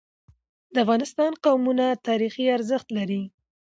د افغانستان قومونه تاریخي ارزښت لري.